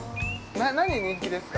何、人気ですか？